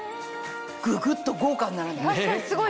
ぐぐっと豪華にならない？